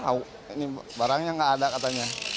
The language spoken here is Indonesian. gak tahu ini barangnya gak ada katanya